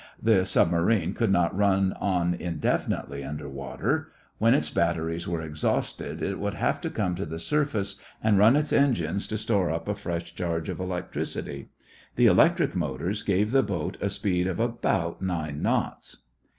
The submarine could not run on indefinitely underwater. When its batteries were exhausted it would have to come to the surface and run its engines to store up a fresh charge of electricity. The electric motors gave the boat a speed of about nine knots.